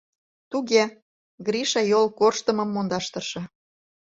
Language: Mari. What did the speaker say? — Туге, — Гриша йол корштымым мондаш тырша.